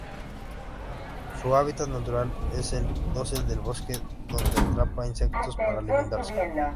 Su hábitat natural es el dosel del bosque, donde atrapa insectos para alimentarse.